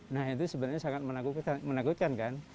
nah itu sebenarnya sangat menakutkan kan